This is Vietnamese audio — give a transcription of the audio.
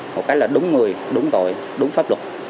một cách là đúng người đúng tội đúng pháp luật